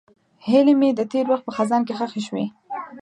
هیلې مې د تېر وخت په خزان کې ښخې شوې.